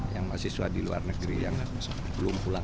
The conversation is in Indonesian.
yang mahasiswa di luar negeri yang belum pulang